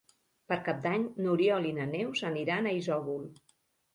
Per Cap d'Any n'Oriol i na Neus aniran a Isòvol.